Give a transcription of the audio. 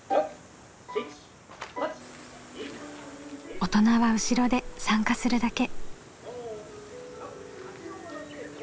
大人は後ろで参加するだけ。